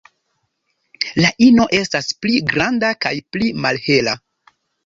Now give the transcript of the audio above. La ino estas pli granda kaj pli malhela.